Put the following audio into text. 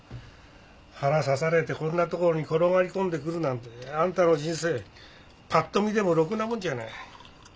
腹刺されてこんなところに転がり込んで来るなんてあんたの人生パッと見でもろくなもんじゃない。